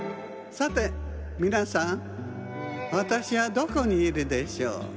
さてみなさんわたしはどこにいるでしょう？